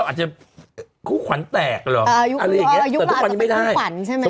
ซับซอสเหมือนกันเนอะยุคต้องเราอาจจะ